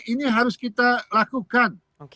ini harus kita lakukan